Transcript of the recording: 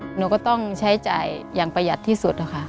หนูก็ต้องใช้จ่ายอย่างประหยัดที่สุดนะคะ